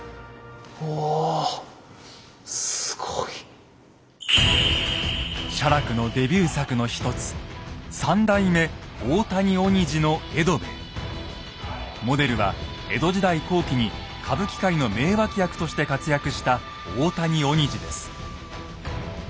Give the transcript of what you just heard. おおすごい！写楽のデビュー作の一つモデルは江戸時代後期に歌舞伎界の名脇役として活躍した大谷鬼次です。